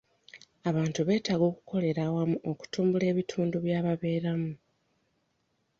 Abantu beetaaga okukolera awamu okutumbula ebitundu bya babeeramu.